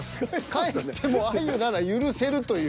帰ってもあゆなら許せるという。